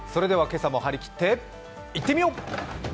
今朝も張り切っていってみよう！